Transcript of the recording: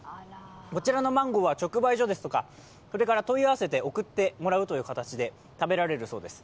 こちらのマンゴーは直売所ですとか、それから問い合わせて送ってもらうという形で食べられるそうです。